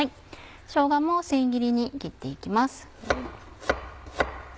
しょうがも千切りに切っていきます。